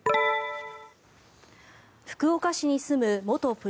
福岡市に住む元プロ